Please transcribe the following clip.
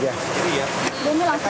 bisa nyalain aja